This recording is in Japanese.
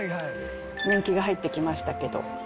年季が入ってきましたけど。